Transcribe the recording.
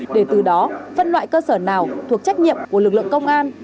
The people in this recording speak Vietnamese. để từ đó phân loại cơ sở nào thuộc trách nhiệm của lực lượng công an